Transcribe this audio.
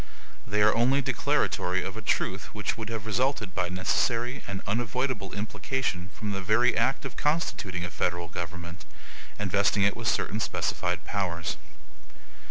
They are only declaratory of a truth which would have resulted by necessary and unavoidable implication from the very act of constituting a federal government, and vesting it with certain specified powers.